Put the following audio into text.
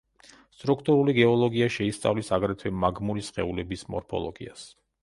სტრუქტურული გეოლოგია შეისწავლის აგრეთვე მაგმური სხეულების მორფოლოგიას.